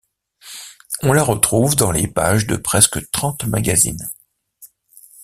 On la retrouve dans les pages de presque trente magazines.